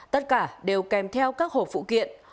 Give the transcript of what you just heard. tất cả đều kèm theo các hộp phụ kiện